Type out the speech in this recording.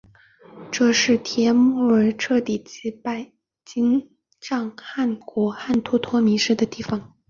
这里是帖木儿彻底击败金帐汗国汗脱脱迷失的地方。